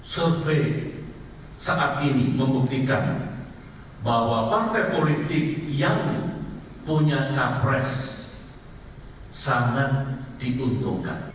survei saat ini membuktikan bahwa partai politik yang punya capres sangat diuntungkan